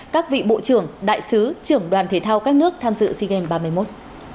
các vị bộ trưởng đại sứ trưởng đoàn thể thao các nước tham dự sea games ba mươi một